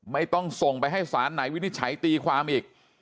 ไม่ต้องส่งไปให้สารไหนวินิจฉัยตีความอีก